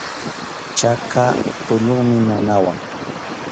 Chaka tulluymi nanawan.